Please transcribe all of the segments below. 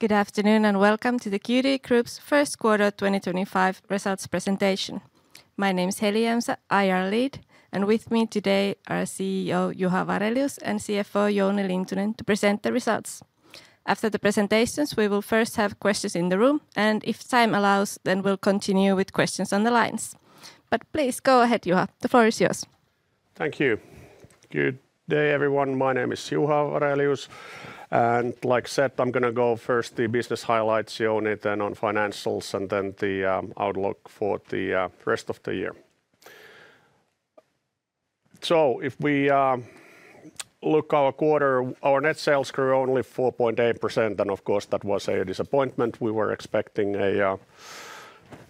Good afternoon and welcome to the Qt Group's first quarter 2025 results presentation. My name is Heli Jämsä, IR Lead, and with me today are CEO Juha Varelius and CFO Jouni Lintunen to present the results. After the presentations, we will first have questions in the room, and if time allows, we'll continue with questions on the lines. Please go ahead, Juha, the floor is yours. Thank you. Good day, everyone. My name is Juha Varelius, and like I said, I'm going to go first the business highlights, Jouni, then on financials, and then the outlook for the rest of the year. If we look at our quarter, our net sales grew only 4.8%, and of course that was a disappointment. We were expecting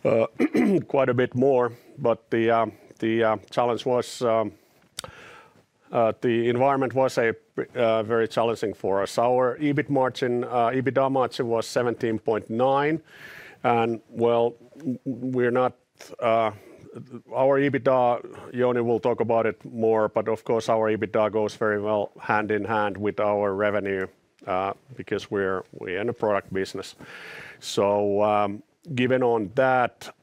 quite a bit more, but the challenge was the environment was very challenging for us. Our EBIT margin, EBITA margin was 17.9%, and we're not our EBITA, Jouni will talk about it more, but of course our EBITA goes very well hand in hand with our revenue because we're in a product business. Given on that,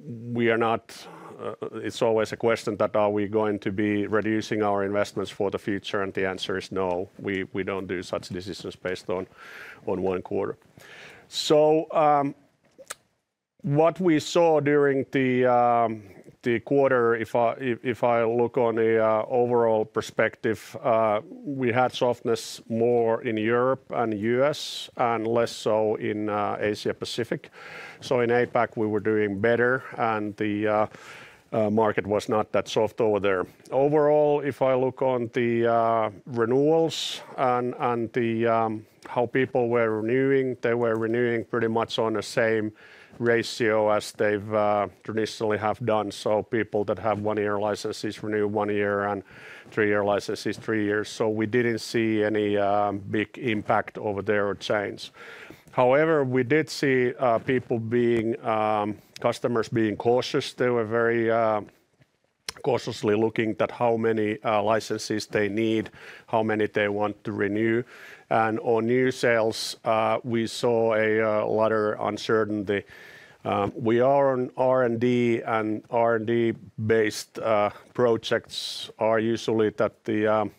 we are not it's always a question that are we going to be reducing our investments for the future, and the answer is no, we don't do such decisions based on one quarter. What we saw during the quarter, if I look on the overall perspective, we had softness more in Europe and the U.S. and less so in Asia Pacific. In APAC, we were doing better, and the market was not that soft over there. Overall, if I look on the renewals and how people were renewing, they were renewing pretty much on the same ratio as they traditionally have done. People that have one-year licenses renew one year and three-year licenses three years. We did not see any big impact over their chains. However, we did see people being, customers being cautious. They were very cautiously looking at how many licenses they need, how many they want to renew. On new sales, we saw a lot of uncertainty. We are on R&D, and R&D-based projects are usually that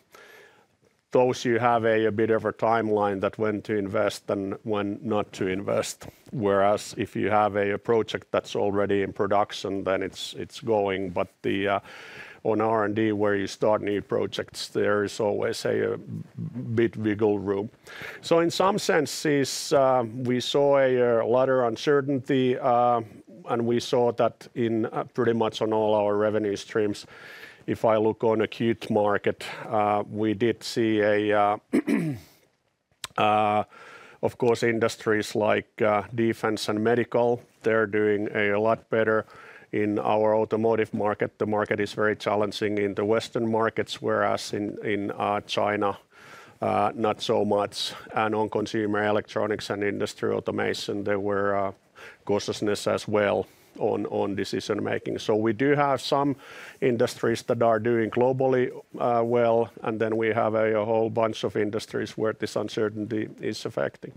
those you have a bit of a timeline that when to invest and when not to invest. Whereas if you have a project that's already in production, then it's going. On R&D, where you start new projects, there is always a bit wiggle room. In some senses, we saw a lot of uncertainty, and we saw that in pretty much on all our revenue streams. If I look on a Qt market, we did see a of course industries like defense and medical, they're doing a lot better. In our automotive market, the market is very challenging in the Western markets, whereas in China, not so much. On consumer electronics and industrial automation, there were cautiousness as well on decision making. We do have some industries that are doing globally well, and then we have a whole bunch of industries where this uncertainty is affecting.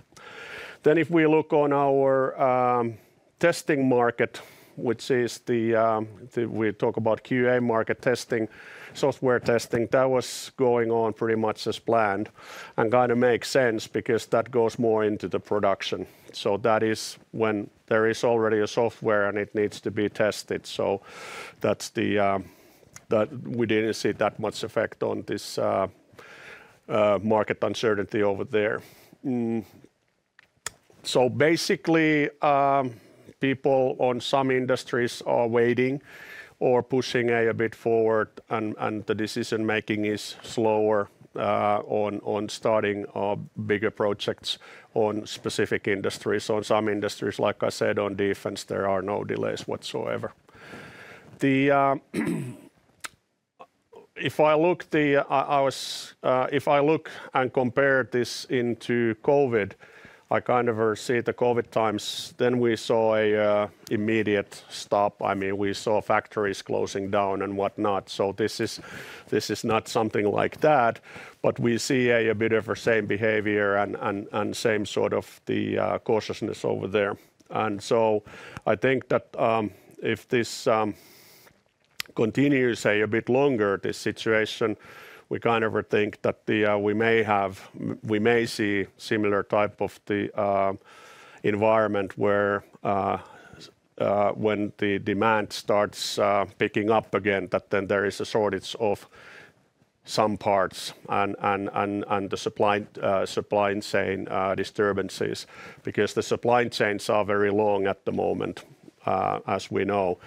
If we look on our testing market, which is the, we talk about QA market testing, software testing, that was going on pretty much as planned and kind of makes sense because that goes more into the production. That is when there is already a software and it needs to be tested. That is the, we did not see that much effect on this market uncertainty over there. Basically, people on some industries are waiting or pushing a bit forward, and the decision making is slower on starting bigger projects on specific industries. On some industries, like I said, on defense, there are no delays whatsoever. If I look and compare this into COVID, I kind of see the COVID times, then we saw an immediate stop. I mean, we saw factories closing down and whatnot. This is not something like that, but we see a bit of the same behavior and same sort of the cautiousness over there. I think that if this continues a bit longer, this situation, we kind of think that we may see similar type of the environment where when the demand starts picking up again, then there is a shortage of some parts and the supply chain disturbances because the supply chains are very long at the moment, as we know.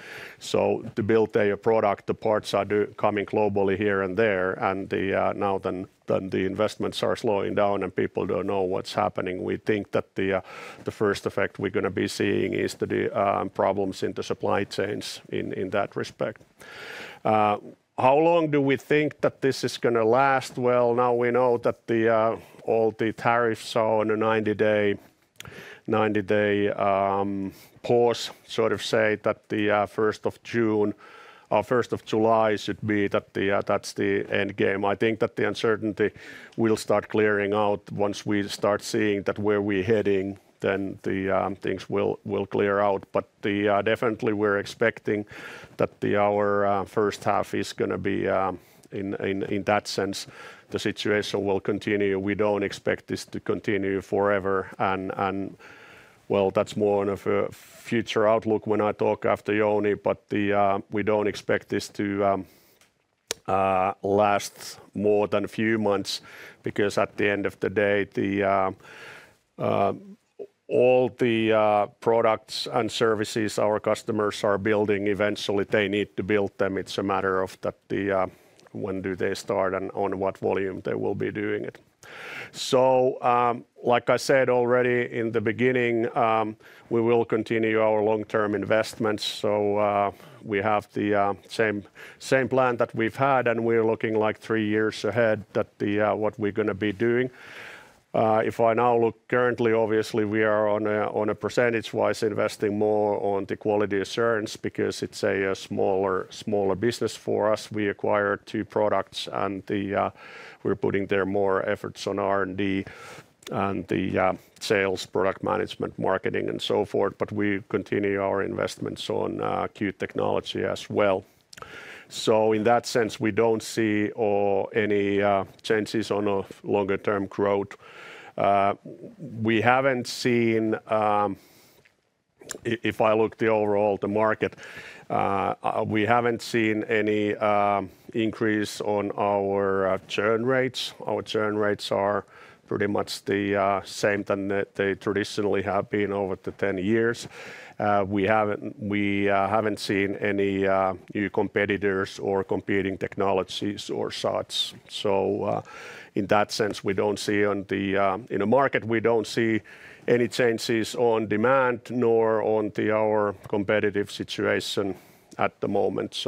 To build a product, the parts are coming globally here and there, and now the investments are slowing down and people do not know what is happening. We think that the first effect we are going to be seeing is the problems in the supply chains in that respect. How long do we think that this is going to last? Now we know that all the tariffs are on a 90-day pause, sort of say that the 1st of June or 1st of July should be that the end game. I think that the uncertainty will start clearing out once we start seeing where we are heading, then things will clear out. Definitely we are expecting that our first half is going to be in that sense. The situation will continue. We do not expect this to continue forever. That is more of a future outlook when I talk after Jouni, but we do not expect this to last more than a few months because at the end of the day, all the products and services our customers are building eventually, they need to build them. It is a matter of when do they start and on what volume they will be doing it. Like I said already in the beginning, we will continue our long-term investments. We have the same plan that we have had, and we are looking three years ahead at what we are going to be doing. If I now look currently, obviously we are percentage-wise investing more in the quality assurance because it is a smaller business for us. We acquired two products, and we are putting more efforts there on R&D and the sales, product management, marketing, and so forth. We continue our investments on Qt technology as well. In that sense, we do not see any changes on a longer-term growth. We have not seen, if I look at the overall market, any increase on our churn rates. Our churn rates are pretty much the same as they traditionally have been over the past 10 years. We have not seen any new competitors or competing technologies or such. In that sense, we do not see in the market any changes on demand nor on our competitive situation at the moment.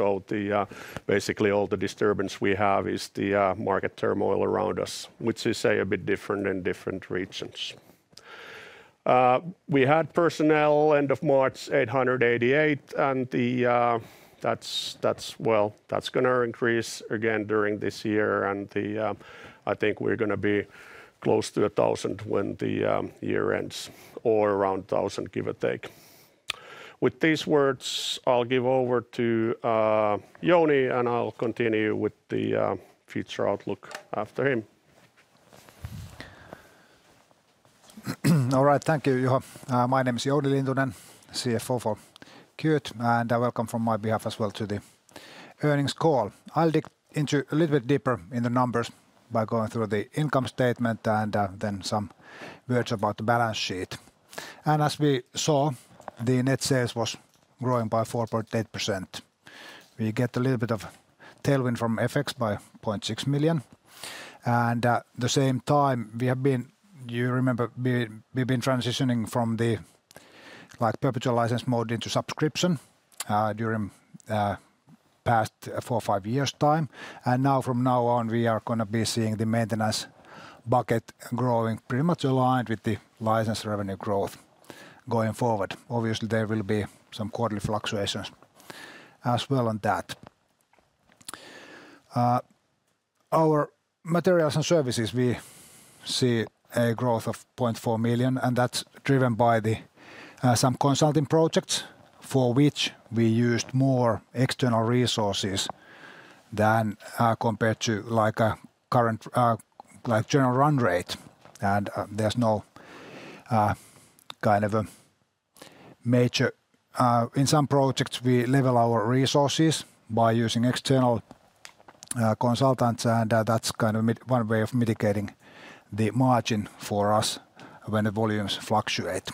Basically, all the disturbance we have is the market turmoil around us, which is a bit different in different regions. We had personnel end of March 888, and that is going to increase again during this year. I think we're going to be close to 1,000 when the year ends or around 1,000, give or take. With these words, I'll give over to Jouni, and I'll continue with the future outlook after him. All right, thank you, Juha. My name is Jouni Lintunen, CFO for Qt, and welcome from my behalf as well to the earnings call. I'll dig into a little bit deeper in the numbers by going through the income statement and then some words about the balance sheet. As we saw, the net sales was growing by 4.8%. We get a little bit of tailwind from FX by 0.6 million. At the same time, you remember, we've been transitioning from the perpetual license mode into subscription during the past four or five years' time. From now on, we are going to be seeing the maintenance bucket growing pretty much aligned with the license revenue growth going forward. Obviously, there will be some quarterly fluctuations as well on that. Our materials and services, we see a growth of 0.4 million, and that's driven by some consulting projects for which we used more external resources than compared to like a current like general run rate. There's no kind of a major in some projects, we level our resources by using external consultants, and that's kind of one way of mitigating the margin for us when the volumes fluctuate.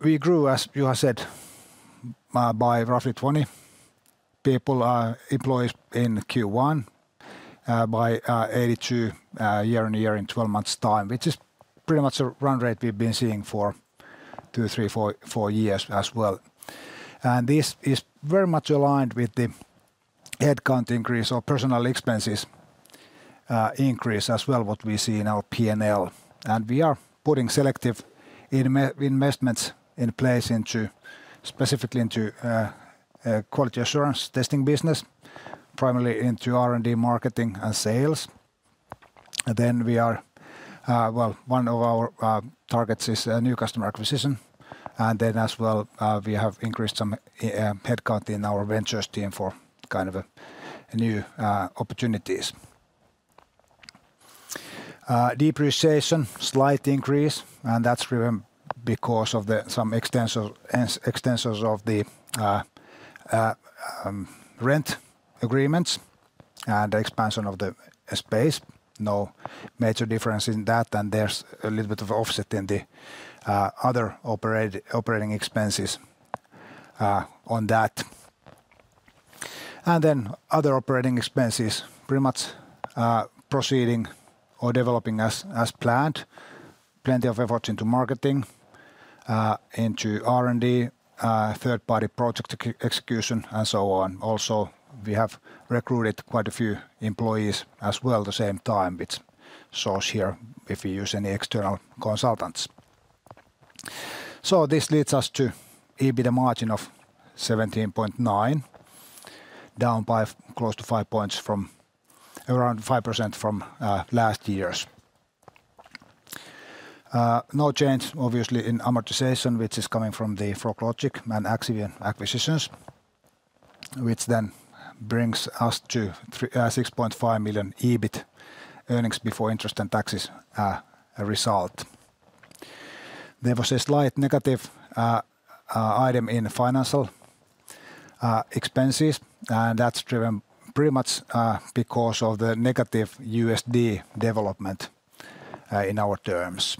We grew, as you have said, by roughly 20 people, employees in Q1 by 82 year-on-year in 12 months' time, which is pretty much a run rate we've been seeing for two, three, four years as well. This is very much aligned with the headcount increase or personnel expenses increase as well what we see in our P&L. We are putting selective investments in place specifically into quality assurance testing business, primarily into R&D, marketing, and sales. One of our targets is new customer acquisition. As well, we have increased some headcount in our ventures team for kind of new opportunities. Depreciation, slight increase, and that's because of some extensions of the rent agreements and the expansion of the space. No major difference in that, and there's a little bit of offset in the other operating expenses on that. Other operating expenses are pretty much proceeding or developing as planned. Plenty of efforts into marketing, into R&D, third-party project execution, and so on. Also, we have recruited quite a few employees as well at the same time, which source here if we use any external consultants. This leads us to EBITDA margin of 17.9%, down by close to five percentage points from around 5% from last year. No change, obviously, in amortization, which is coming from the froglogic and Axivion acquisitions, which then brings us to 6.5 million EBIT earnings before interest and taxes result. There was a slight negative item in financial expenses, and that's driven pretty much because of the negative USD development in our terms.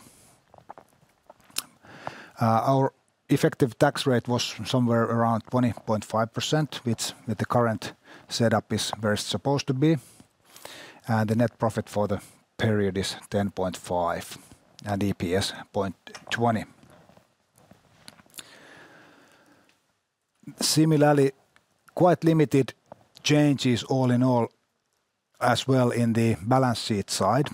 Our effective tax rate was somewhere around 20.5%, which the current setup is very supposed to be. The net profit for the period is 10.5 million and EPS 0.20. Similarly, quite limited changes all in all as well in the balance sheet side.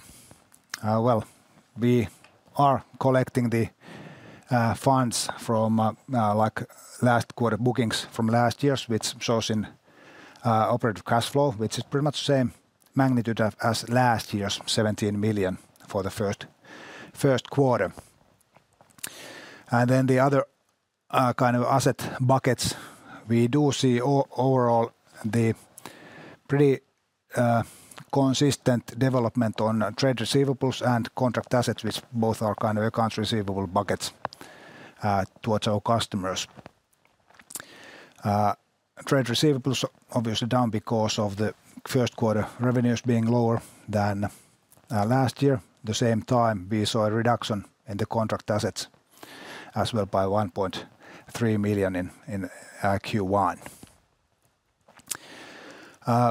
We are collecting the funds from like last quarter bookings from last years, which shows in operative cash flow, which is pretty much the same magnitude as last year's 17 million for the first quarter. The other kind of asset buckets, we do see overall the pretty consistent development on trade receivables and contract assets, which both are kind of accounts receivable buckets towards our customers. Trade receivables obviously down because of the first quarter revenues being lower than last year. At the same time, we saw a reduction in the contract assets as well by 1.3 million in Q1.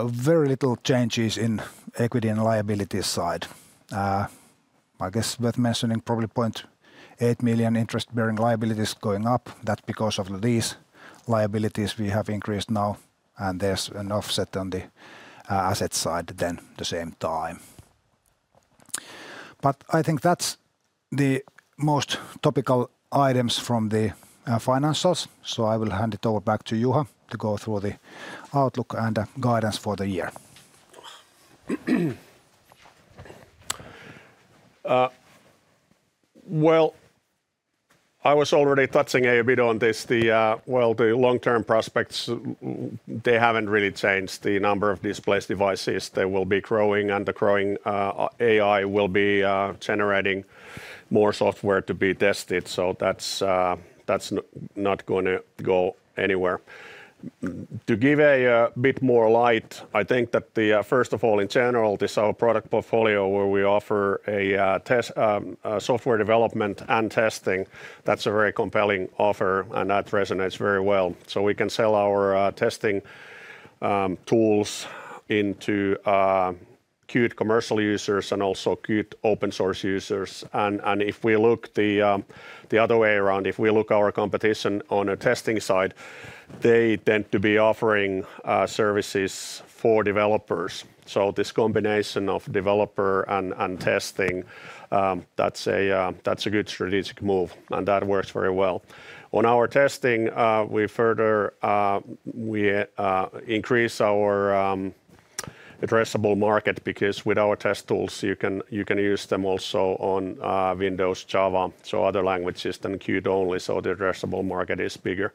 Very little changes in equity and liability side. I guess worth mentioning probably 0.8 million interest-bearing liabilities going up. That's because of these liabilities we have increased now, and there's an offset on the asset side then the same time. I think that's the most topical items from the financials. I will hand it over back to Juha to go through the outlook and guidance for the year. I was already touching a bit on this. The long-term prospects, they haven't really changed. The number of display devices will be growing, and the growing AI will be generating more software to be tested. That's not going to go anywhere. To give a bit more light, I think that first of all, in general, this is our product portfolio where we offer software development and testing. That's a very compelling offer, and that resonates very well. We can sell our testing tools into Qt commercial users and also Qt open source users. If we look the other way around, if we look at our competition on the testing side, they tend to be offering services for developers. This combination of developer and testing, that's a good strategic move, and that works very well. On our testing, we further increase our addressable market because with our test tools, you can use them also on Windows, Java, so other languages than Qt only. The addressable market is bigger.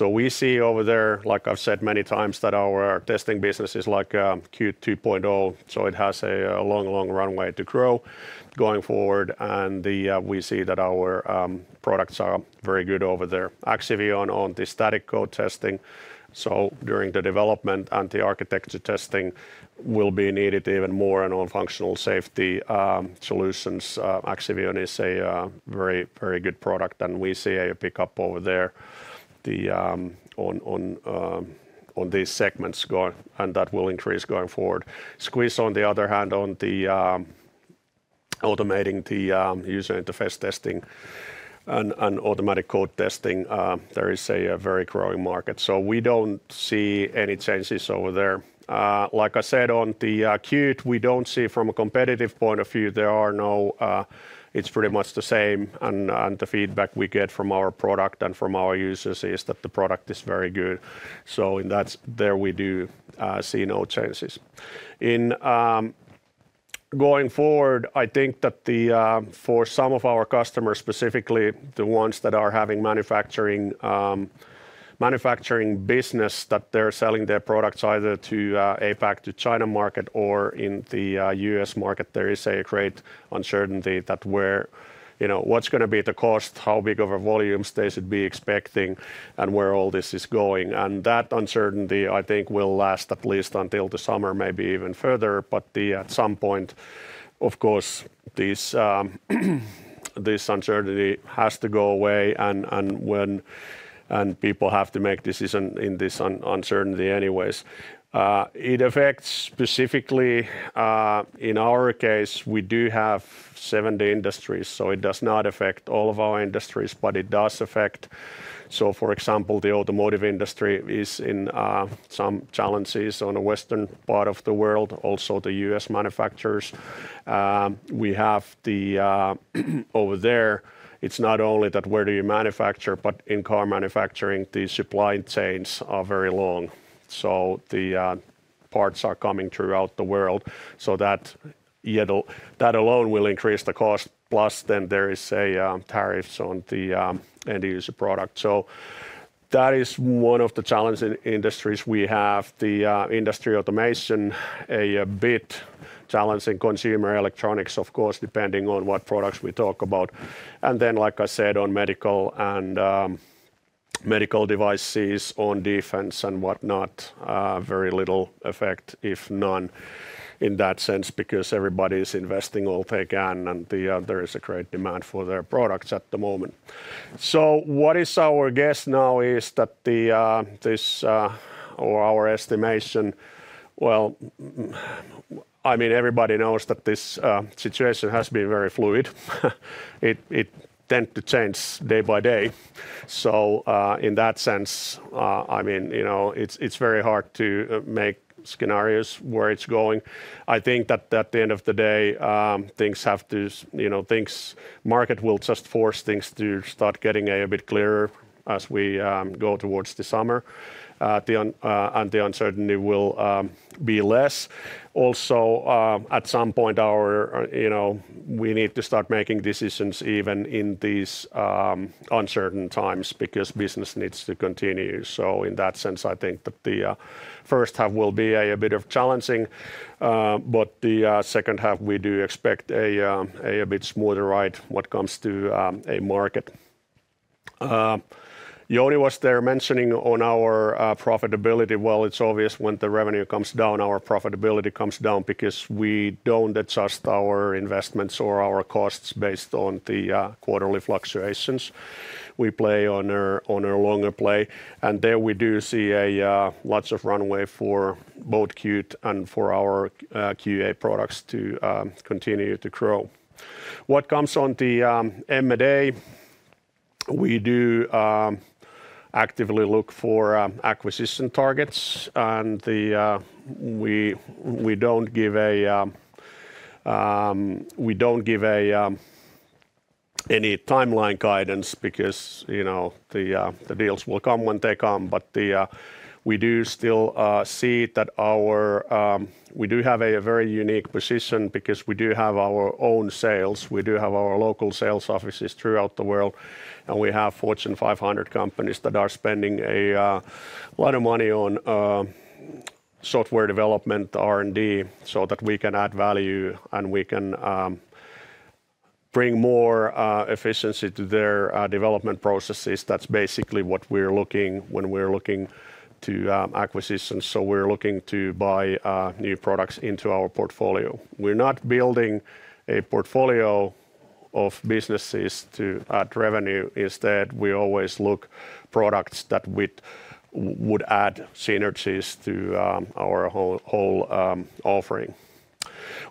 We see over there, like I've said many times, that our testing business is like Qt 2.0. It has a long, long runway to grow going forward. We see that our products are very good over there. Axivion on the static code testing, during the development and the architecture testing, will be needed even more and on functional safety solutions. Axivion is a very, very good product, and we see a pickup over there on these segments going, and that will increase going forward. Squish on the other hand on the automating the user interface testing and automatic code testing, there is a very growing market. We do not see any changes over there. Like I said on the Qt, we do not see from a competitive point of view, there are no, it is pretty much the same. The feedback we get from our product and from our users is that the product is very good. In that, we do see no changes. Going forward, I think that for some of our customers, specifically the ones that are having manufacturing business, that they are selling their products either to APAC, to China market, or in the U.S. market, there is a great uncertainty about what is going to be the cost, how big of a volume they should be expecting, and where all this is going. That uncertainty, I think, will last at least until the summer, maybe even further. At some point, of course, this uncertainty has to go away, and people have to make decisions in this uncertainty anyways. It affects specifically in our case, we do have 70 industries, so it does not affect all of our industries, but it does affect. For example, the automotive industry is in some challenges on the western part of the world, also the U.S. manufacturers. We have the over there, it's not only that where do you manufacture, but in car manufacturing, the supply chains are very long. The parts are coming throughout the world. That alone will increase the cost, plus then there is a tariff on the end-user product. That is one of the challenging industries we have. The industry automation, a bit challenging consumer electronics, of course, depending on what products we talk about. Like I said, on medical and medical devices, on defense and whatnot, very little effect, if none in that sense, because everybody is investing all they can, and there is a great demand for their products at the moment. What is our guess now is that this or our estimation, I mean, everybody knows that this situation has been very fluid. It tends to change day by day. In that sense, I mean, it's very hard to make scenarios where it's going. I think that at the end of the day, things have to, market will just force things to start getting a bit clearer as we go towards the summer, and the uncertainty will be less. Also, at some point, we need to start making decisions even in these uncertain times because business needs to continue. In that sense, I think that the first half will be a bit challenging, but the second half, we do expect a bit smoother ride when it comes to a market. Jouni was there mentioning on our profitability. Well, it's obvious when the revenue comes down, our profitability comes down because we don't adjust our investments or our costs based on the quarterly fluctuations. We play on a longer play, and there we do see lots of runway for both Qt and for our QA products to continue to grow. What comes on the M&A, we do actively look for acquisition targets, and we don't give any timeline guidance because the deals will come when they come. We do still see that we do have a very unique position because we do have our own sales. We do have our local sales offices throughout the world, and we have Fortune 500 companies that are spending a lot of money on software development, R&D, so that we can add value and we can bring more efficiency to their development processes. That is basically what we are looking when we are looking to acquisitions. We are looking to buy new products into our portfolio. We are not building a portfolio of businesses to add revenue. Instead, we always look for products that would add synergies to our whole offering.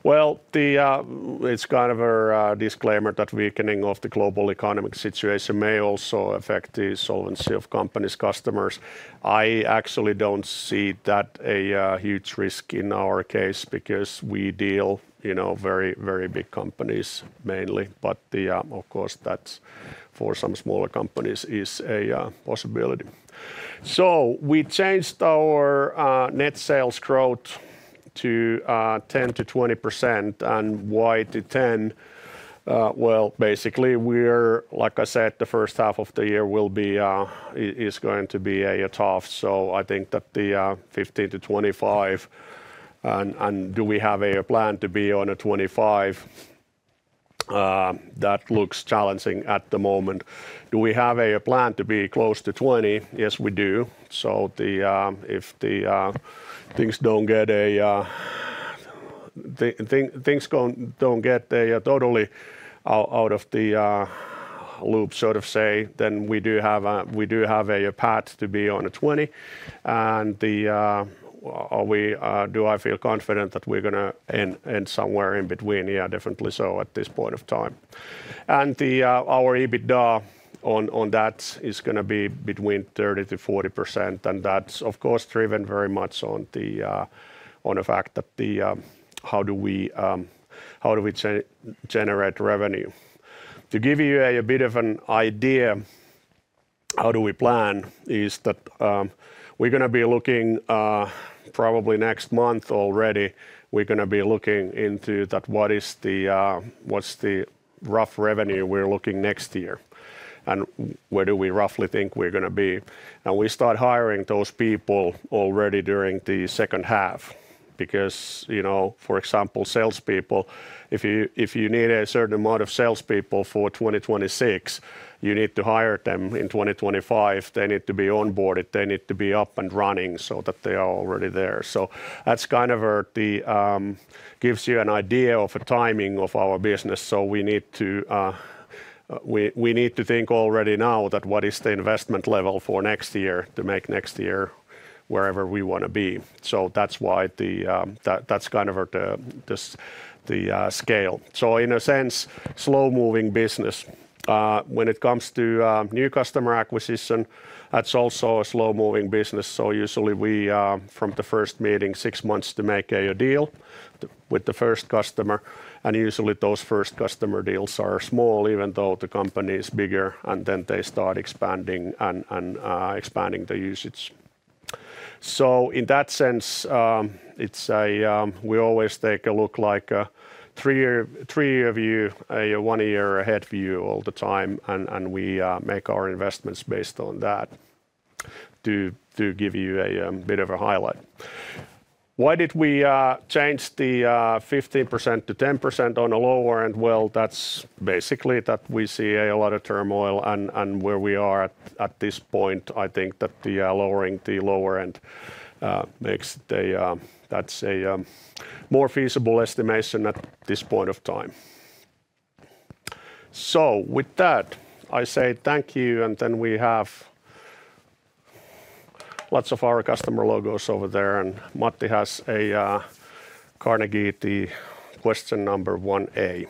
It is kind of a disclaimer that weakening of the global economic situation may also affect the solvency of companies' customers. I actually do not see that a huge risk in our case because we deal with very, very big companies mainly. Of course, that for some smaller companies is a possibility. We changed our net sales growth to 10%-20%. Why to 10%? Basically, like I said, the first half of the year is going to be tough. I think that the 15%-25%, and do we have a plan to be on 25? That looks challenging at the moment. Do we have a plan to be close to 20? Yes, we do. If things do not get totally out of the loop, so to say, then we do have a path to be on 20. Do I feel confident that we are going to end somewhere in between? Yeah, definitely so at this point of time. Our EBITDA on that is going to be between 30-40%. That is, of course, driven very much on the fact that how do we generate revenue. To give you a bit of an idea, how do we plan is that we're going to be looking probably next month already. We're going to be looking into what's the rough revenue we're looking next year and where do we roughly think we're going to be. We start hiring those people already during the second half because, for example, salespeople, if you need a certain amount of salespeople for 2026, you need to hire them in 2025. They need to be onboarded. They need to be up and running so that they are already there. That kind of gives you an idea of a timing of our business. We need to think already now that what is the investment level for next year to make next year wherever we want to be. That's why that's kind of the scale. In a sense, slow-moving business. When it comes to new customer acquisition, that's also a slow-moving business. Usually, from the first meeting, six months to make a deal with the first customer. Usually, those first customer deals are small, even though the company is bigger, and then they start expanding and expanding the usage. In that sense, we always take a look like a three-year view, a one-year ahead view all the time, and we make our investments based on that to give you a bit of a highlight. Why did we change the 15% to 10% on a lower end? That's basically that we see a lot of turmoil and where we are at this point. I think that lowering the lower end makes that a more feasible estimation at this point of time. With that, I say thank you, and then we have lots of our customer logos over there, and Matti has a Carnegie, the question number 1A.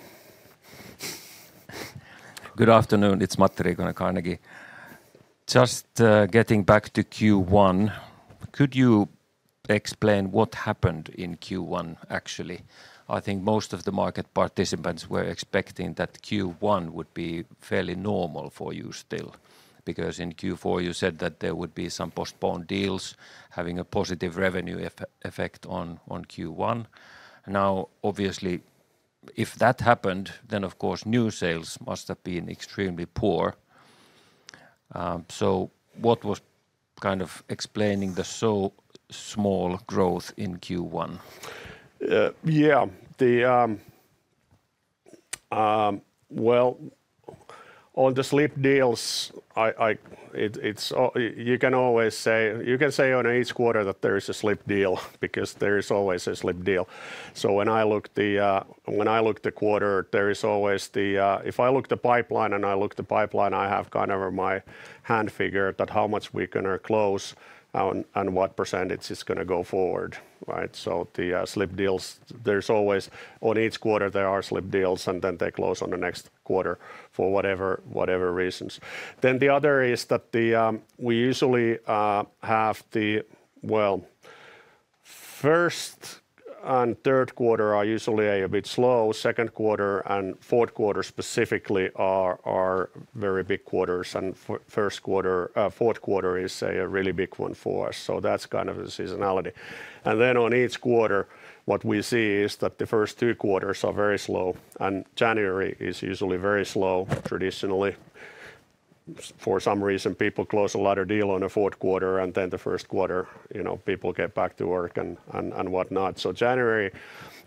Good afternoon. It's Matti Riikonen, Carnegie. Just getting back to Q1, could you explain what happened in Q1, actually? I think most of the market participants were expecting that Q1 would be fairly normal for you still because in Q4, you said that there would be some postponed deals having a positive revenue effect on Q1. Now, obviously, if that happened, then of course, new sales must have been extremely poor. What was kind of explaining the so small growth in Q1? Yeah. On the slip deals, you can always say you can say on each quarter that there is a slip deal because there is always a slip deal. When I look the quarter, there is always the if I look the pipeline and I look the pipeline, I have kind of my hand figure that how much we're going to close and what percentage is going to go forward. The slip deals, there's always on each quarter, there are slip deals, and then they close on the next quarter for whatever reasons. The other is that we usually have the, first and third quarter are usually a bit slow. Second quarter and fourth quarter specifically are very big quarters. Fourth quarter is a really big one for us. That's kind of the seasonality. Each quarter, what we see is that the first two quarters are very slow. January is usually very slow. Traditionally, for some reason, people close a lot of deals in the fourth quarter, and then the first quarter, people get back to work and whatnot. January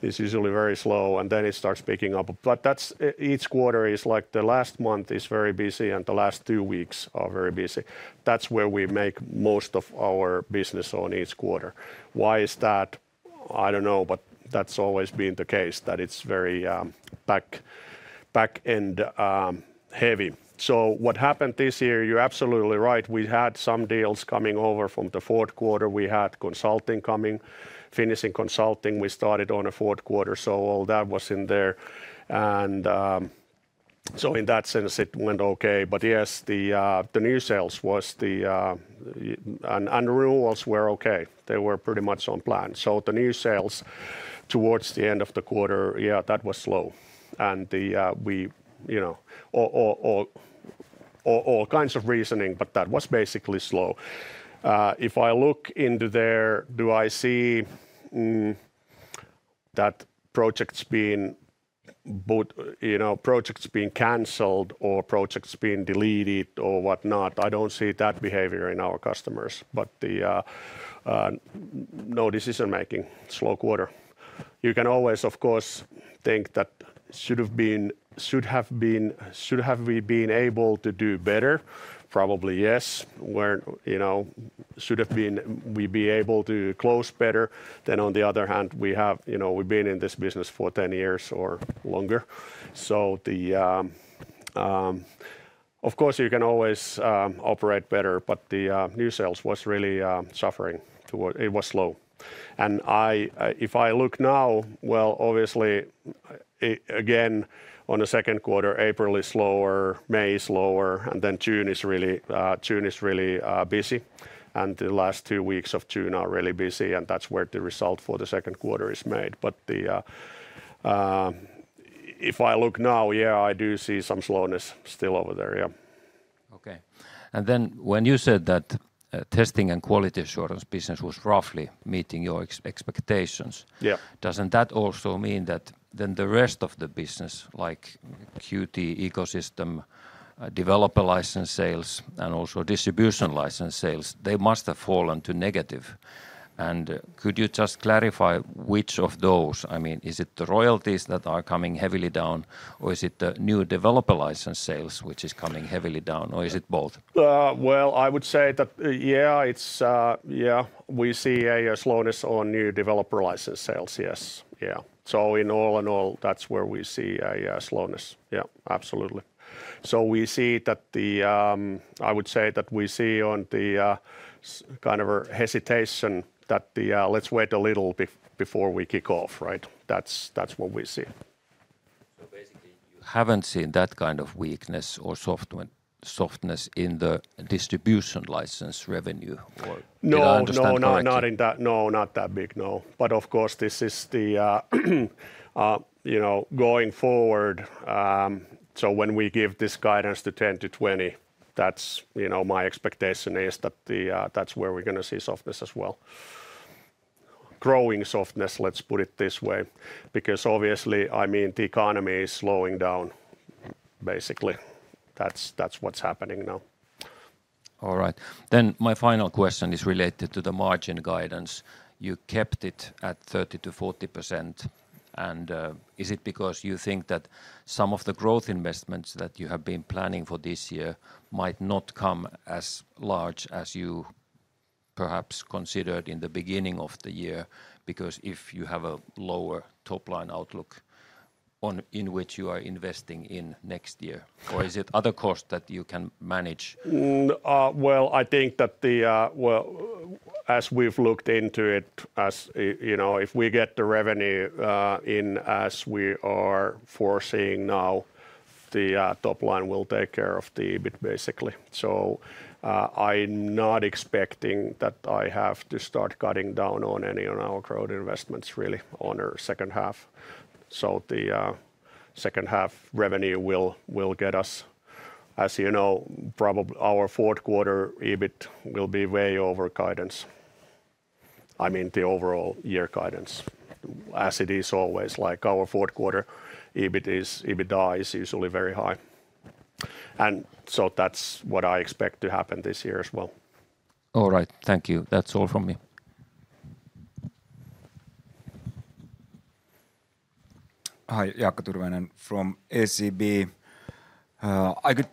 is usually very slow, and then it starts picking up. Each quarter is like the last month is very busy, and the last two weeks are very busy. That is where we make most of our business in each quarter. Why is that? I do not know, but that has always been the case that it is very back-end heavy. What happened this year, you are absolutely right. We had some deals coming over from the fourth quarter. We had consulting coming, finishing consulting. We started in the fourth quarter, so all that was in there. In that sense, it went okay. Yes, the new sales and renewals were okay. They were pretty much on plan. The new sales towards the end of the quarter, yeah, that was slow. All kinds of reasoning, but that was basically slow. If I look into there, do I see that projects being canceled or projects being deleted or whatnot? I do not see that behavior in our customers, but no decision-making, slow quarter. You can always, of course, think that should have been, should we have been able to do better? Probably yes. Should we have been able to close better? On the other hand, we have been in this business for 10 years or longer. Of course, you can always operate better, but the new sales was really suffering. It was slow. If I look now, obviously, again, on the second quarter, April is slower, May is slower, and June is really busy. The last two weeks of June are really busy, and that is where the result for the second quarter is made. If I look now, yeah, I do see some slowness still over there. Okay. When you said that testing and quality assurance business was roughly meeting your expectations, does that also mean that the rest of the business, like Qt ecosystem, developer license sales, and also distribution license sales, must have fallen to negative? Could you just clarify which of those? I mean, is it the royalties that are coming heavily down, or is it the new developer license sales, which is coming heavily down, or is it both? I would say that, yeah, we see a slowness on new developer license sales, yes. Yeah. In all in all, that's where we see a slowness. Yeah, absolutely. We see that the I would say that we see on the kind of a hesitation that let's wait a little before we kick off, right? That's what we see. Basically, you haven't seen that kind of weakness or softness in the distribution license revenue or in the understanding? No, no, not in that. No, not that big, no. Of course, this is the going forward. When we give this guidance to 10%-20%, my expectation is that that's where we're going to see softness as well. Growing softness, let's put it this way, because obviously, I mean, the economy is slowing down, basically. That's what's happening now. All right. My final question is related to the margin guidance. You kept it at 30%-40%. Is it because you think that some of the growth investments that you have been planning for this year might not come as large as you perhaps considered in the beginning of the year because if you have a lower top-line outlook in which you are investing in next year? Is it other costs that you can manage? I think that as we've looked into it, if we get the revenue in as we are foreseeing now, the top-line will take care of the EBIT, basically. I'm not expecting that I have to start cutting down on any of our growth investments, really, on our second half. The second half revenue will get us, as you know, probably our fourth quarter EBIT will be way over guidance. I mean, the overall year guidance, as it is always. Like our fourth quarter EBIT is EBITDA is usually very high. That's what I expect to happen this year as well. All right. Thank you. That's all from me. Hi, Jaakko Tyrväinen from SEB. I could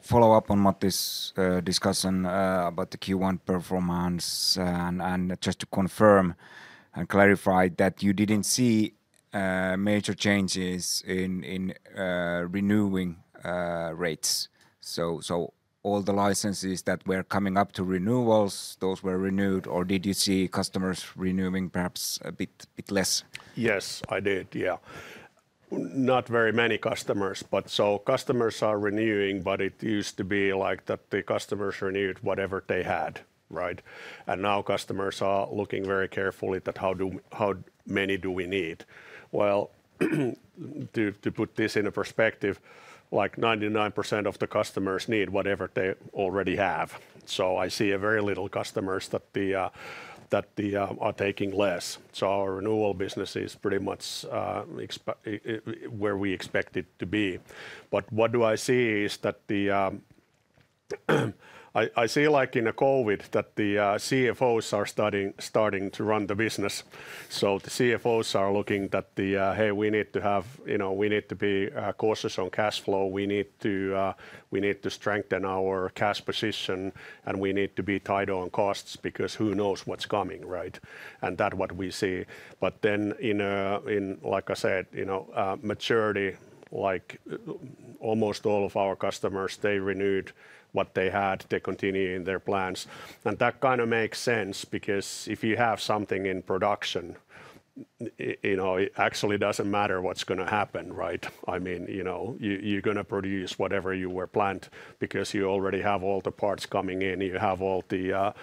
follow up on Matti's discussion about the Q1 performance and just to confirm and clarify that you didn't see major changes in renewing rates. So all the licenses that were coming up to renewals, those were renewed, or did you see customers renewing perhaps a bit less? Yes, I did, yeah. Not very many customers, but so customers are renewing, but it used to be like that the customers renewed whatever they had, right? Now customers are looking very carefully at how many do we need. To put this in a perspective, like 99% of the customers need whatever they already have. I see very little customers that are taking less. Our renewal business is pretty much where we expect it to be. What I see is that I see like in COVID that the CFOs are starting to run the business. The CFOs are looking that, hey, we need to have, we need to be cautious on cash flow. We need to strengthen our cash position, and we need to be tight on costs because who knows what's coming, right? That's what we see. Like I said, maturity, like almost all of our customers, they renewed what they had. They continue in their plans. That kind of makes sense because if you have something in production, it actually does not matter what is going to happen, right? I mean, you are going to produce whatever you were planned because you already have all the parts coming in. You have all the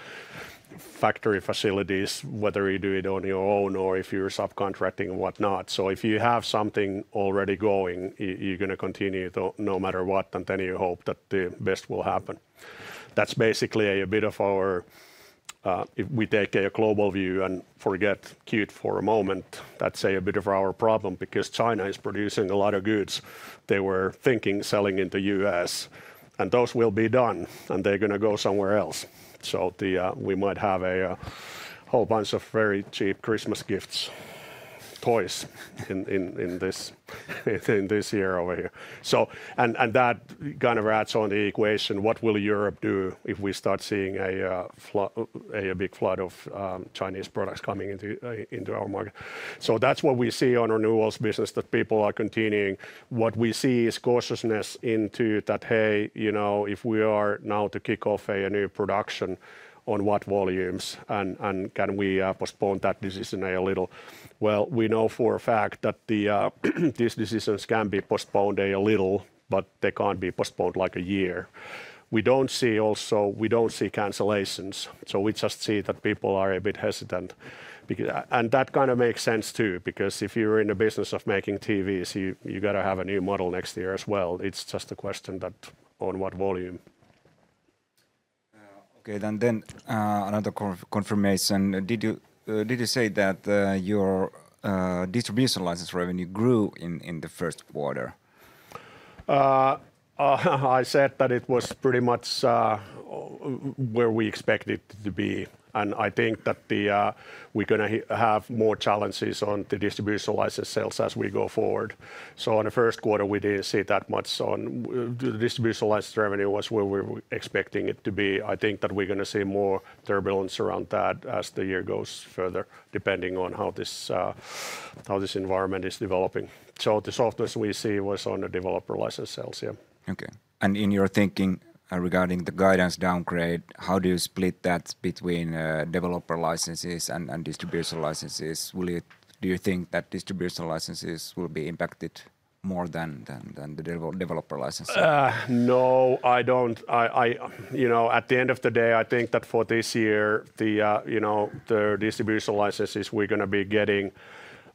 factory facilities, whether you do it on your own or if you are subcontracting and whatnot. If you have something already going, you are going to continue no matter what, and then you hope that the best will happen. That is basically a bit of our, if we take a global view and forget Qt for a moment, that is a bit of our problem because China is producing a lot of goods. They were thinking selling into the U.S., and those will be done, and they're going to go somewhere else. We might have a whole bunch of very cheap Christmas gifts, toys in this year over here. That kind of adds on the equation. What will Europe do if we start seeing a big flood of Chinese products coming into our market? That is what we see on renewals business, that people are continuing. What we see is cautiousness into that, hey, if we are now to kick off a new production on what volumes, and can we postpone that decision a little? We know for a fact that these decisions can be postponed a little, but they cannot be postponed like a year. We do not see, also we do not see, cancellations. We just see that people are a bit hesitant. That kind of makes sense too because if you're in the business of making TVs, you got to have a new model next year as well. It's just a question that on what volume. Okay. Another confirmation. Did you say that your distribution license revenue grew in the first quarter? I said that it was pretty much where we expected it to be. I think that we're going to have more challenges on the distribution license sales as we go forward. In the first quarter, we did not see that much on the distribution license revenue; it was where we were expecting it to be. I think that we're going to see more turbulence around that as the year goes further, depending on how this environment is developing. The softness we see was on the developer license sales, yeah. Okay. In your thinking regarding the guidance downgrade, how do you split that between developer licenses and distribution licenses? Do you think that distribution licenses will be impacted more than the developer licenses? No, I don't. At the end of the day, I think that for this year, the distribution licenses we're going to be getting,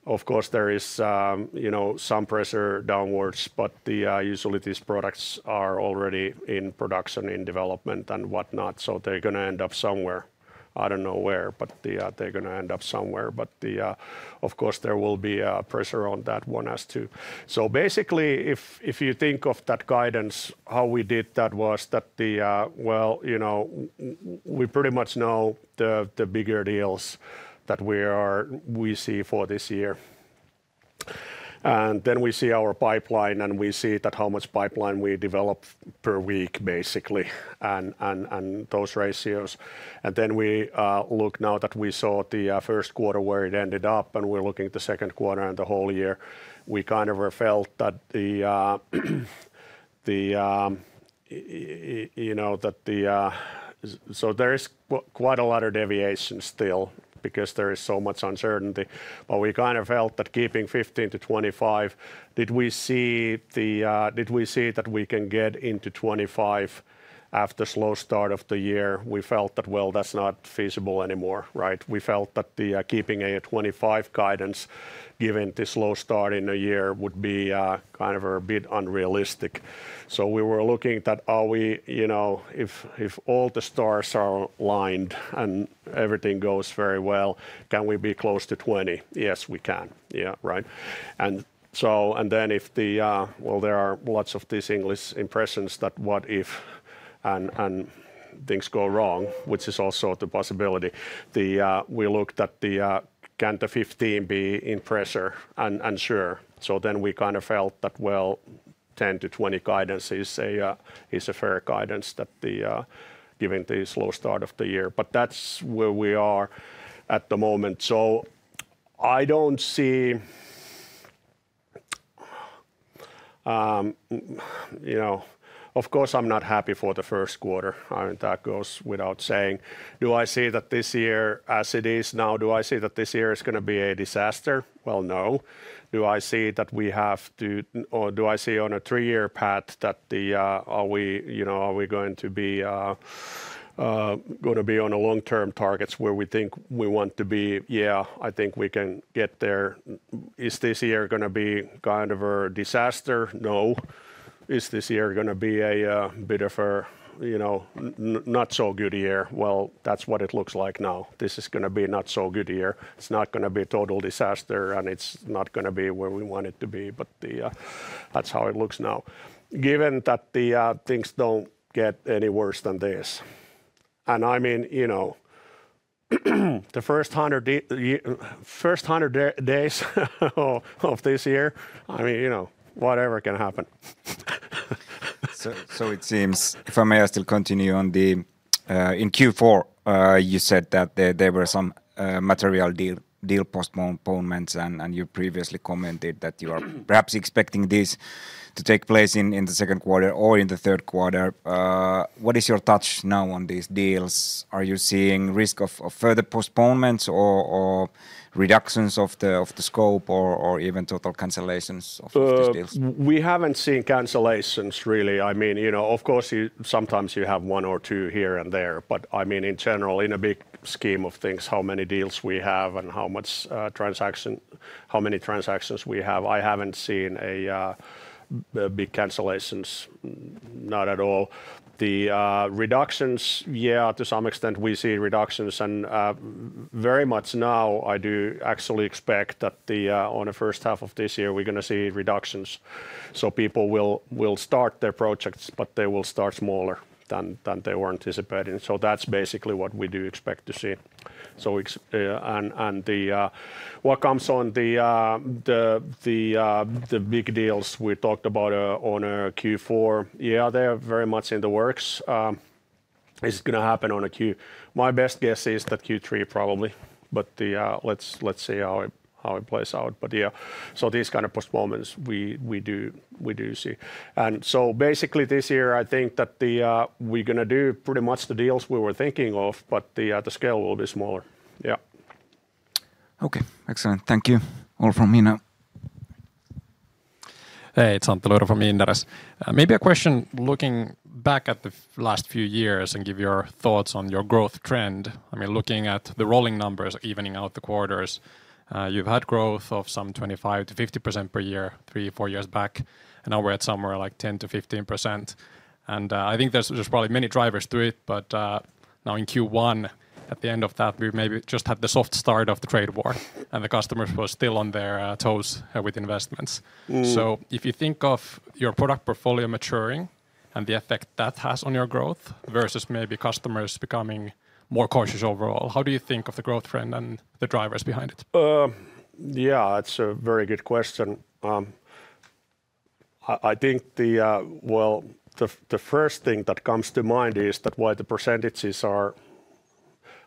of course, there is some pressure downwards, but usually these products are already in production, in development and whatnot. They're going to end up somewhere. I don't know where, but they're going to end up somewhere. Of course, there will be a pressure on that one as to. Basically, if you think of that guidance, how we did that was that, we pretty much know the bigger deals that we see for this year. Then we see our pipeline, and we see how much pipeline we develop per week, basically, and those ratios. We look now that we saw the first quarter where it ended up, and we're looking at the second quarter and the whole year. We kind of felt that there is quite a lot of deviation still because there is so much uncertainty. We kind of felt that keeping 15%-25%, did we see that we can get into 25% after slow start of the year? We felt that, that's not feasible anymore, right? We felt that keeping a 25% guidance given the slow start in a year would be kind of a bit unrealistic. We were looking at, are we if all the stars are aligned and everything goes very well, can we be close to 20%? Yes, we can, yeah, right? There are lots of these English impressions that what if and things go wrong, which is also the possibility. We looked at the can the 15% be in pressure? Sure. We kind of felt that, well, 10%-20% guidance is a fair guidance given the slow start of the year. That is where we are at the moment. I do not see, of course, I am not happy for the first quarter. That goes without saying. Do I see that this year as it is now, do I see that this year is going to be a disaster? No. Do I see that we have to, or do I see on a three-year path that are we going to be on long-term targets where we think we want to be? Yeah, I think we can get there. Is this year going to be kind of a disaster? No. Is this year going to be a bit of a not so good year? That is what it looks like now. This is going to be a not so good year. It's not going to be a total disaster, and it's not going to be where we want it to be, but that's how it looks now. Given that things don't get any worse than this. I mean, the first 100 days of this year, I mean, whatever can happen. It seems, if I may, I still continue on the in Q4, you said that there were some material deal postponements, and you previously commented that you are perhaps expecting this to take place in the second quarter or in the third quarter. What is your touch now on these deals? Are you seeing risk of further postponements or reductions of the scope or even total cancellations of these deals? We have not seen cancellations, really. I mean, of course, sometimes you have one or two here and there, but I mean, in general, in a big scheme of things, how many deals we have and how many transactions we have, I have not seen big cancellations, not at all. The reductions, yeah, to some extent, we see reductions. Very much now, I do actually expect that in the first half of this year, we are going to see reductions. People will start their projects, but they will start smaller than they were anticipating. That is basically what we do expect to see. What comes on the big deals we talked about on Q4, yeah, they are very much in the works. Is it going to happen on a Q? My best guess is that Q3 probably, but let us see how it plays out. Yeah, these kind of postponements, we do see. Basically this year, I think that we're going to do pretty much the deals we were thinking of, but the scale will be smaller, yeah. Okay. Excellent. Thank you all from me now. Hey, it's Antti Luiro from Inderes. Maybe a question looking back at the last few years and give your thoughts on your growth trend. I mean, looking at the rolling numbers, evening out the quarters, you've had growth of some 25%-50% per year three, four years back. And now we're at somewhere like 10%-15%. I think there's probably many drivers to it, but now in Q1, at the end of that, we maybe just had the soft start of the trade war, and the customers were still on their toes with investments. If you think of your product portfolio maturing and the effect that has on your growth versus maybe customers becoming more cautious overall, how do you think of the growth trend and the drivers behind it? Yeah, it's a very good question. I think the, well, the first thing that comes to mind is that why the percentages are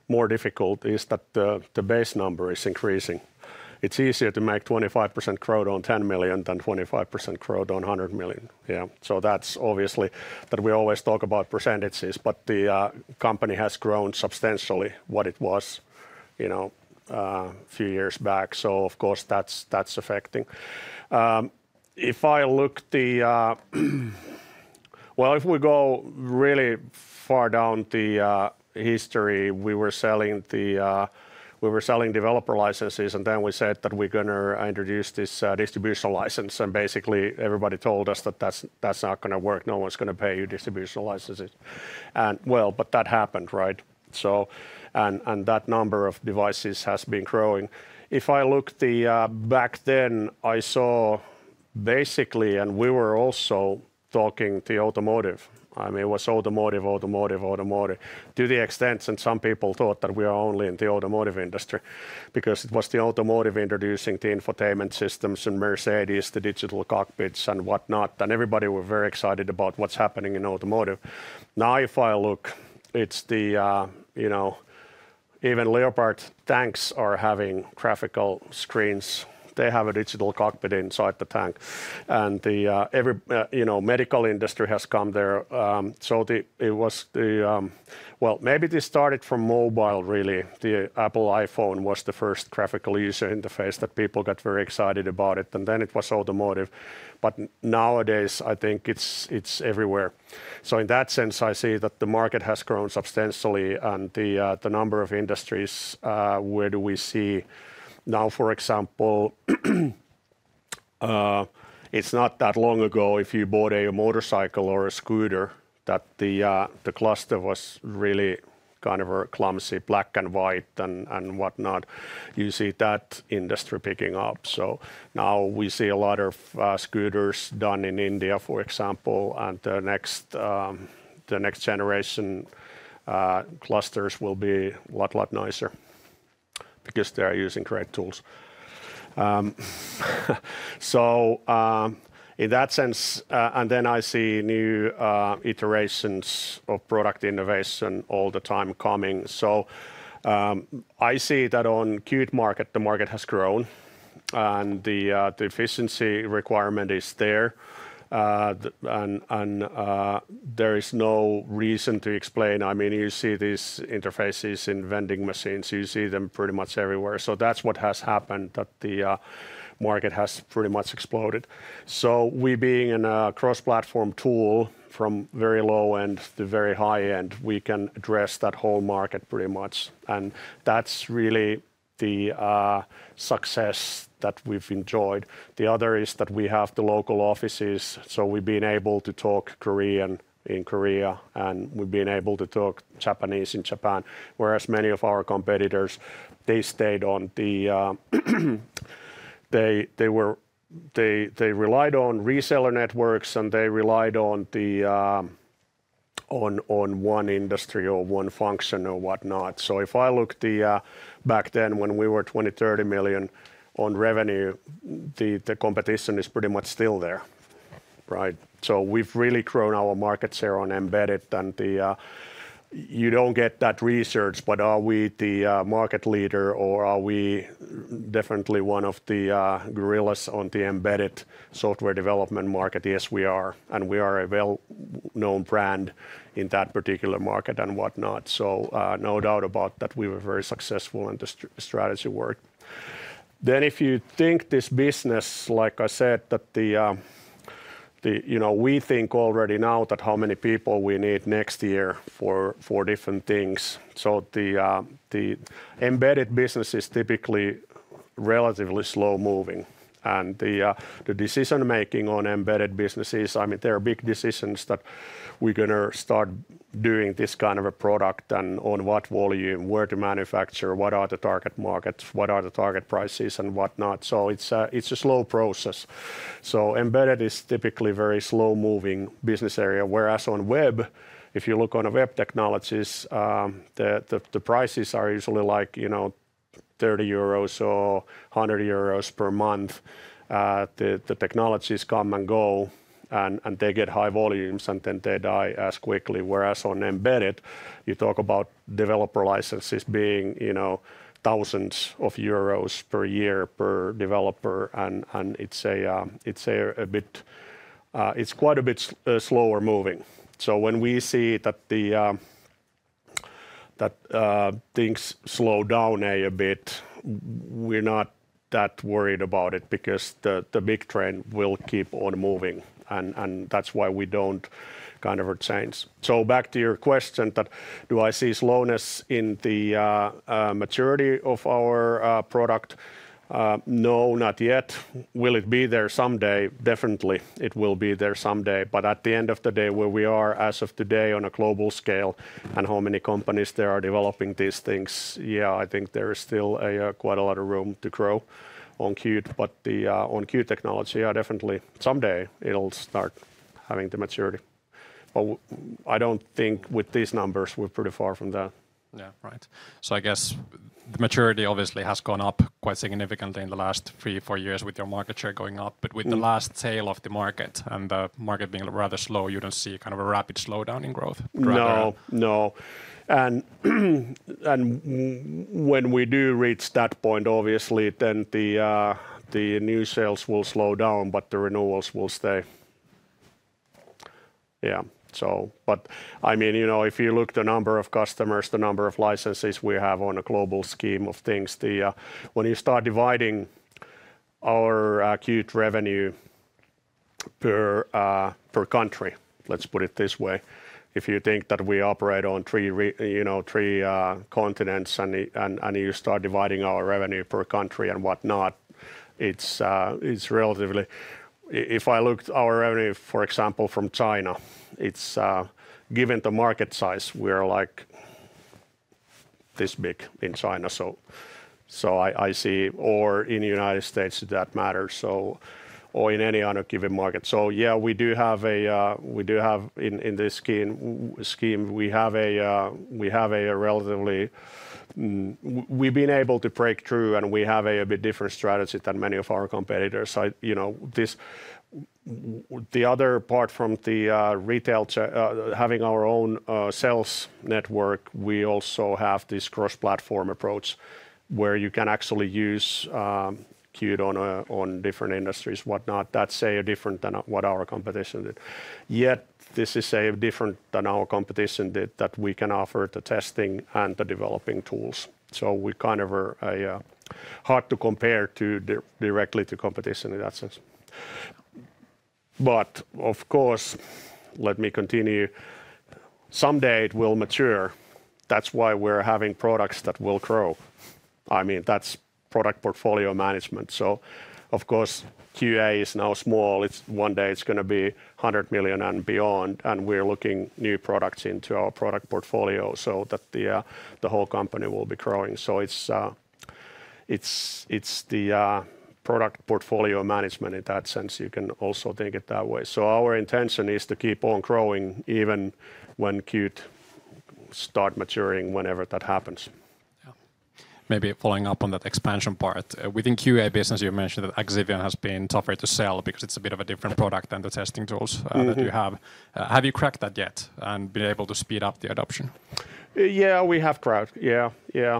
more difficult is that the base number is increasing. It's easier to make 25% growth on 10 million than 25% growth on 100 million, yeah. That's obviously that we always talk about percentages, but the company has grown substantially what it was a few years back. Of course, that's affecting. If I look the, well, if we go really far down the history, we were selling developer licenses, and then we said that we're going to introduce this distribution license. Basically, everybody told us that that's not going to work. No one's going to pay you distribution licenses. Well, but that happened, right? That number of devices has been growing. If I look back then, I saw basically, and we were also talking the automotive. I mean, it was automotive, automotive, automotive. To the extent that some people thought that we are only in the automotive industry because it was the automotive introducing the infotainment systems and Mercedes, the digital cockpits and whatnot. Everybody was very excited about what's happening in automotive. If I look, even Leopard tanks are having graphical screens. They have a digital cockpit inside the tank. The medical industry has come there. Maybe this started from mobile, really. The Apple iPhone was the first graphical user interface that people got very excited about it. Then it was automotive. Nowadays, I think it's everywhere. In that sense, I see that the market has grown substantially. The number of industries where we see now, for example, it's not that long ago if you bought a motorcycle or a scooter that the cluster was really kind of a clumsy black and white and whatnot. You see that industry picking up. We see a lot of scooters done in India, for example. The next generation clusters will be a lot, lot nicer because they're using great tools. In that sense, I see new iterations of product innovation all the time coming. I see that on Qt market, the market has grown. The efficiency requirement is there. There is no reason to explain. I mean, you see these interfaces in vending machines. You see them pretty much everywhere. That's what has happened, that the market has pretty much exploded. We being in a cross-platform tool from very low end to very high end, we can address that whole market pretty much. That is really the success that we've enjoyed. The other is that we have the local offices. We've been able to talk Korean in Korea, and we've been able to talk Japanese in Japan, whereas many of our competitors, they stayed on the, they relied on reseller networks, and they relied on one industry or one function or whatnot. If I look back then when we were 20 million-30 million on revenue, the competition is pretty much still there, right? We've really grown our market share on embedded. You don't get that research, but are we the market leader or are we definitely one of the gorillas on the embedded software development market? Yes, we are. We are a well-known brand in that particular market and whatnot. No doubt about that, we were very successful and the strategy worked. If you think this business, like I said, we think already now about how many people we need next year for different things. The embedded business is typically relatively slow moving. The decision-making on embedded businesses, I mean, there are big decisions that we're going to start doing this kind of a product and on what volume, where to manufacture, what are the target markets, what are the target prices and whatnot. It is a slow process. Embedded is typically a very slow-moving business area, whereas on web, if you look at web technologies, the prices are usually like 30 euros or 100 euros per month. The technologies come and go, and they get high volumes, and then they die as quickly. Whereas on embedded, you talk about developer licenses being thousands of Euros per year per developer. It is quite a bit slower moving. When we see that things slow down a bit, we are not that worried about it because the big trend will keep on moving. That is why we do not kind of change. Back to your question that do I see slowness in the maturity of our product? No, not yet. Will it be there someday? Definitely, it will be there someday. At the end of the day, where we are as of today on a global scale and how many companies there are developing these things, yeah, I think there is still quite a lot of room to grow on Qt. On Qt technology, yeah, definitely someday it'll start having the maturity. I don't think with these numbers we're pretty far from that. Yeah, right. I guess the maturity obviously has gone up quite significantly in the last three or four years with your market share going up. With the last sale of the market and the market being rather slow, you do not see kind of a rapid slowdown in growth? No, no. When we do reach that point, obviously, then the new sales will slow down, but the renewals will stay. Yeah. I mean, if you look at the number of customers, the number of licenses we have on a global scheme of things, when you start dividing our Qt revenue per country, let's put it this way, if you think that we operate on three continents and you start dividing our revenue per country and whatnot, it's relatively, if I look at our revenue, for example, from China, given the market size, we are like this big in China. I see, or in the United States if that matters, or in any other given market. Yeah, we do have in this scheme, we have a relatively, we've been able to break through and we have a bit different strategy than many of our competitors. The other part from the retail, having our own sales network, we also have this cross-platform approach where you can actually use Qt on different industries, whatnot, that's different than what our competition did. Yet this is different than our competition did, that we can offer the testing and the developing tools. We kind of are hard to compare directly to competition in that sense. Of course, let me continue, someday it will mature. That's why we're having products that will grow. I mean, that's product portfolio management. Of course, QA is now small. One day it's going to be 100 million and beyond. We are looking at new products in our product portfolio so that the whole company will be growing. It is the product portfolio management in that sense. You can also think of it that way. Our intention is to keep on growing even when Qt starts maturing whenever that happens. Yeah. Maybe following up on that expansion part, within QA business, you mentioned that Axivion has been tougher to sell because it's a bit of a different product than the testing tools that you have. Have you cracked that yet and been able to speed up the adoption? Yeah, we have cracked. Yeah,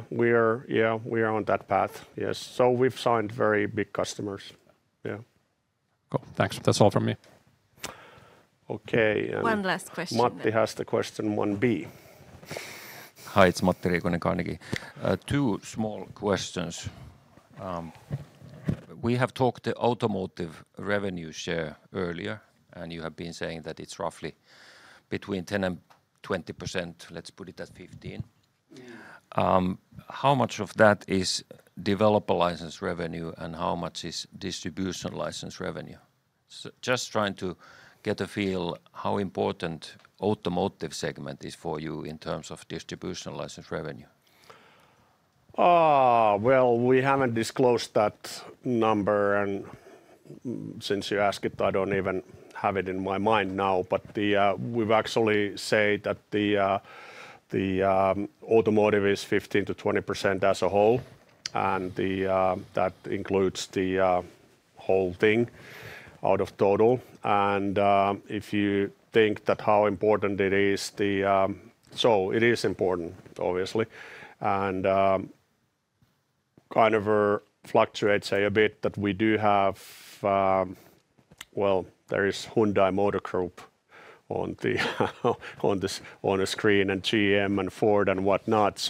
we are on that path, yes. We have signed very big customers, yeah. Cool. Thanks. That's all from me. Okay. One last question. Matti has the question 1B. Hi, it's Matti Riikonen, Carnegie. Two small questions. We have talked the automotive revenue share earlier, and you have been saying that it's roughly between 10% and 20%. Let's put it at 15%. How much of that is developer license revenue and how much is distribution license revenue? Just trying to get a feel how important automotive segment is for you in terms of distribution license revenue. We have not disclosed that number. Since you ask it, I do not even have it in my mind now. We have actually said that the automotive is 15%-20% as a whole. That includes the whole thing out of total. If you think about how important it is, it is important, obviously. It kind of fluctuates a bit. We do have, there is Hyundai Motor Group on the screen and GM and Ford and whatnot.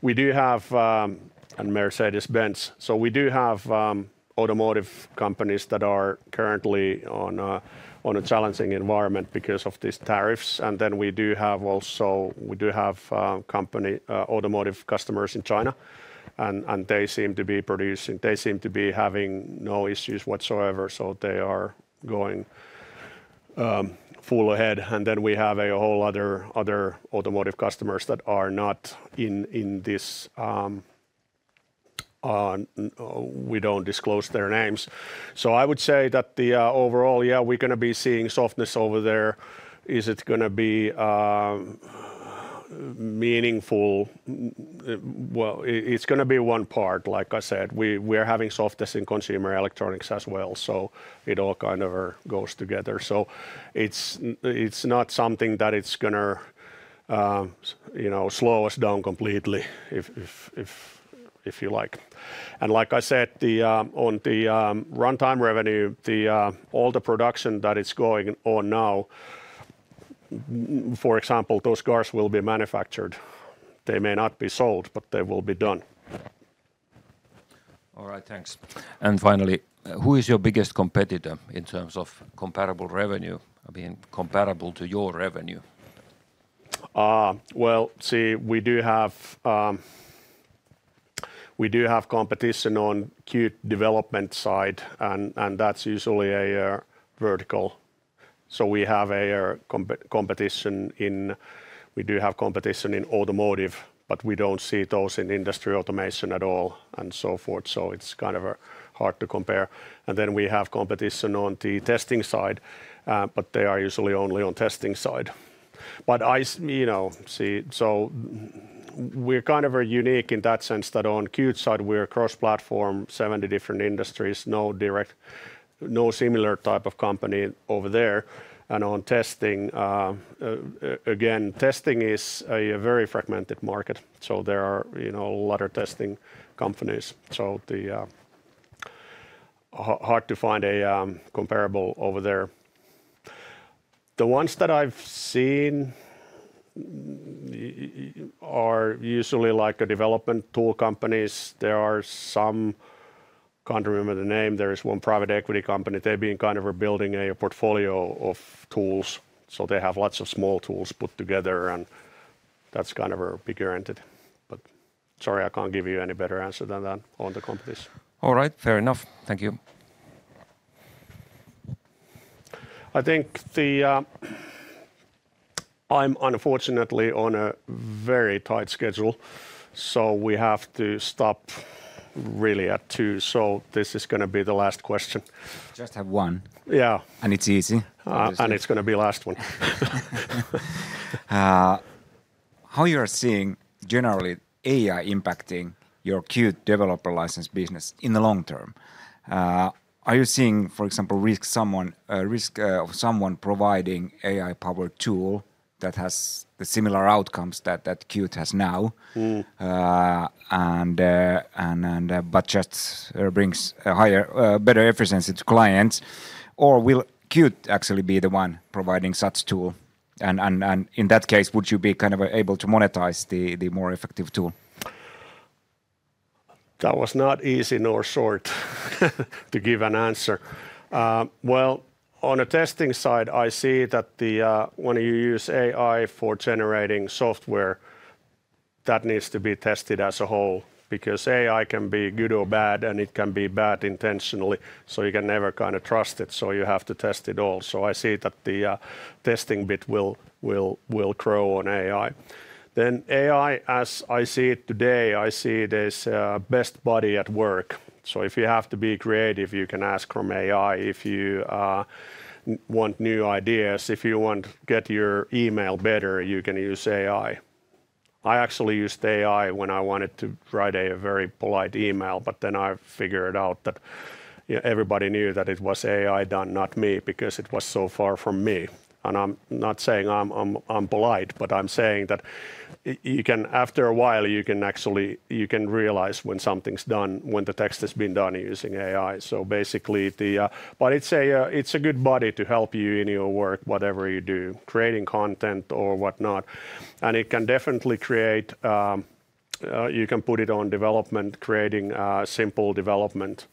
We do have, and Mercedes-Benz. We do have automotive companies that are currently in a challenging environment because of these tariffs. We also have automotive customers in China. They seem to be producing, they seem to be having no issues whatsoever. They are going full ahead. We have a whole other automotive customers that are not in this. We do not disclose their names. I would say that overall, yeah, we are going to be seeing softness over there. Is it going to be meaningful? It is going to be one part, like I said. We are having softness in consumer electronics as well. It all kind of goes together. It is not something that is going to slow us down completely, if you like. Like I said, on the runtime revenue, all the production that is going on now, for example, those cars will be manufactured. They may not be sold, but they will be done. All right, thanks. Finally, who is your biggest competitor in terms of comparable revenue, I mean, comparable to your revenue? We do have competition on Qt development side. That's usually a vertical. We do have competition in automotive, but we don't see those in industry automation at all and so forth. It's kind of hard to compare. We have competition on the testing side, but they are usually only on testing side. I see we're kind of unique in that sense that on Qt side, we're cross-platform, 70 different industries, no similar type of company over there. On testing, again, testing is a very fragmented market. There are a lot of testing companies. Hard to find a comparable over there. The ones that I've seen are usually like development tool companies. There are some, can't remember the name. There is one private equity company. They've been kind of building a portfolio of tools. They have lots of small tools put together. That is kind of a bigger entity. Sorry, I can't give you any better answer than that on the companies. All right, fair enough. Thank you. I think I'm unfortunately on a very tight schedule. We have to stop really at two. This is going to be the last question. Just have one. Yeah. It is easy. It is going to be the last one. How are you seeing generally AI impacting your Qt developer license business in the long term? Are you seeing, for example, risk of someone providing an AI-powered tool that has the similar outcomes that Qt has now, but just brings a better efficiency to clients? Or will Qt actually be the one providing such tool? In that case, would you be kind of able to monetize the more effective tool? That was not easy nor short to give an answer. On the testing side, I see that when you use AI for generating software, that needs to be tested as a whole because AI can be good or bad, and it can be bad intentionally. You can never kind of trust it. You have to test it all. I see that the testing bit will grow on AI. AI, as I see it today, I see it as a best buddy at work. If you have to be creative, you can ask from AI. If you want new ideas, if you want to get your email better, you can use AI. I actually used AI when I wanted to write a very polite email, but then I figured out that everybody knew that it was AI done, not me, because it was so far from me. I'm not saying I'm polite, but I'm saying that after a while, you can actually realize when something's done, when the text has been done using AI. Basically, it's a good buddy to help you in your work, whatever you do, creating content or whatnot. It can definitely create, you can put it on development, creating simple development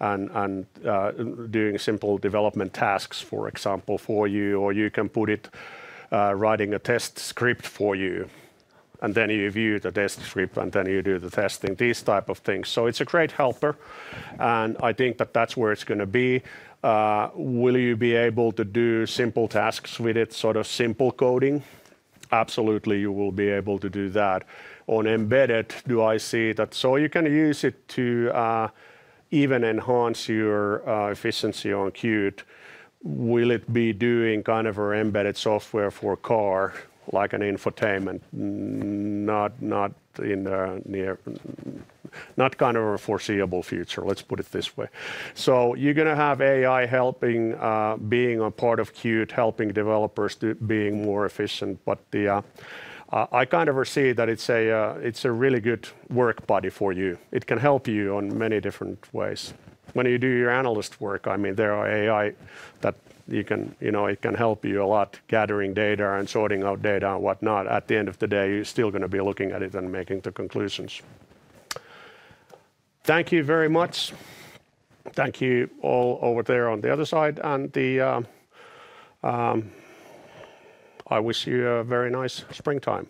and doing simple development tasks, for example, for you. You can put it writing a test script for you. Then you view the test script, and then you do the testing, these type of things. It's a great helper. I think that that's where it's going to be. Will you be able to do simple tasks with it, sort of simple coding? Absolutely, you will be able to do that. On embedded, do I see that so you can use it to even enhance your efficiency on Qt, will it be doing kind of an embedded software for a car, like an infotainment, not in the near not kind of a foreseeable future, let's put it this way. You are going to have AI helping being a part of Qt, helping developers to being more efficient. I kind of see that it's a really good work buddy for you. It can help you in many different ways. When you do your analyst work, I mean, there are AI that you can it can help you a lot gathering data and sorting out data and whatnot. At the end of the day, you're still going to be looking at it and making the conclusions. Thank you very much. Thank you all over there on the other side. I wish you a very nice springtime.